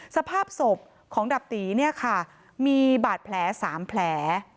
สภาพศพของดาบตีเนี่ยค่ะมีบาดแผล๓แผล